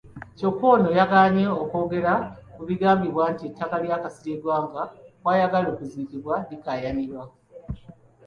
Kyokka ono yagaanye okwogera ku bigambibwa nti ettaka Kasirye Gwanga kw'ayagala okuziikibwa likaayanirwa.